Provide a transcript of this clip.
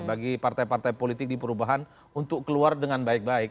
bagi partai partai politik di perubahan untuk keluar dengan baik baik